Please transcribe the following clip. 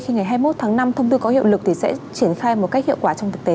khi ngày hai mươi một tháng năm thông tư có hiệu lực thì sẽ triển khai một cách hiệu quả trong thực tế